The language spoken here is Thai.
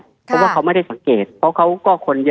เพราะว่าเขาไม่ได้สังเกตเพราะเขาก็คนเยอะ